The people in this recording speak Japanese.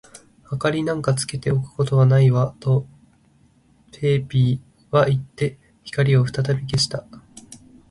「明りなんかつけておくことはないわ」と、ペーピーはいって、光をふたたび消した。